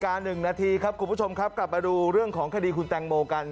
หนึ่งนาทีครับคุณผู้ชมครับกลับมาดูเรื่องของคดีคุณแตงโมกัน